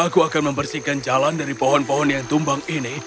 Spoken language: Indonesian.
aku akan membersihkan jalan dari pohon pohon yang tumbang ini